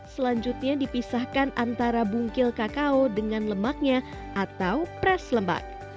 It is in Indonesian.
selanjutnya dipisahkan antara bungkil kakao dengan lemaknya atau pres lemak